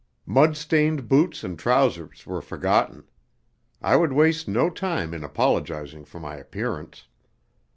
Mud stained boots and trousers were forgotten. I would waste no time in apologising for my appearance.